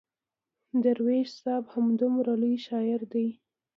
درویش صاحب همدومره لوی شاعر دی.